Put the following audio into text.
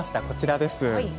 こちらです。